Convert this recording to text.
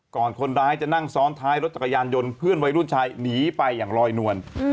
คนร้ายจะนั่งซ้อนท้ายรถจักรยานยนต์เพื่อนวัยรุ่นชายหนีไปอย่างลอยนวล